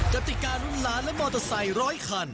กติการุ่นล้านและมอเตอร์ไซค์ร้อยคัน